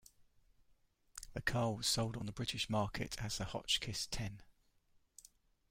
The car was sold on the British market as the Hotchkiss Ten.